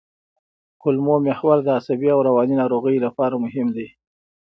کولمو محور د عصبي او رواني ناروغیو لپاره مهم دی.